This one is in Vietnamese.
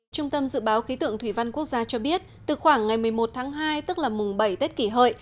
trung tâm dự báo khí tượng thủy văn quốc gia cho biết từ khoảng ngày một mươi một tháng hai tức là mùng bảy tết kỷ hợi